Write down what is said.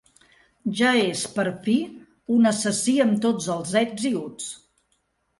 Ja és, per fi, un assassí amb tots els ets i uts.